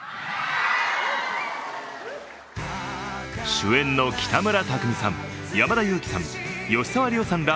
主演の北村匠海さん、山田裕貴さん、吉沢亮さんら